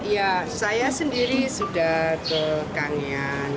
ya saya sendiri sudah kekangian